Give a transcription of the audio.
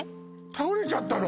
倒れちゃったの？